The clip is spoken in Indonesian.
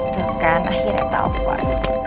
tangan akhirnya telfon